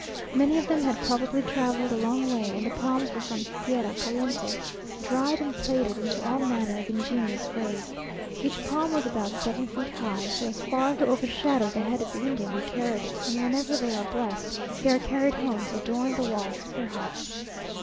Many of them had probably travelled a long way, and the palms were from tierra caliente, dried and plaited into all manner of ingenious ways. Each palm was about seven feet high, so as far to overshadow the head of the Indian who carried it; and whenever they are blessed, they are carried home to adorn the walls of their huts.